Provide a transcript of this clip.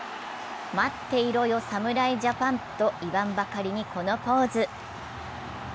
待っていろよ侍ジャパンと言わんばかりにこのポーズ。